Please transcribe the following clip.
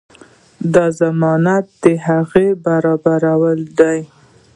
دا ضمانت د هغه برابرولو دی.